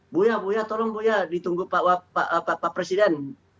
buya buya tolong buya ditunggu pak presiden